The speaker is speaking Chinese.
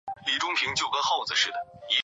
嗣后各省官电归邮传部。